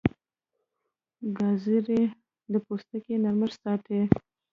ګازرې د پوستکي نرمښت ساتي.